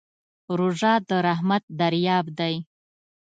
روژه د رحمت دریاب دی.